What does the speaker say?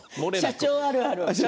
社長あるある。